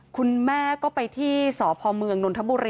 คุณแม่ก็ไปที่สพเมืองนธบ